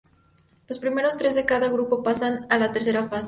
Los primeros tres de cada grupo pasan a la tercera fase.